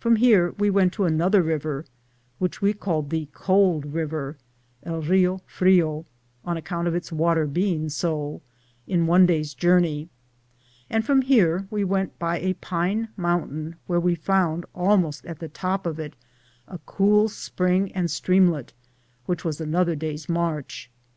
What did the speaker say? From here we went to another river, which we called the Cold river (el rio Frio), on account of its water being so, in one day's journey, and from here we went by a pine mountain, where we found, almost at the top of it, a cool spring and streamlet, which was another day's march.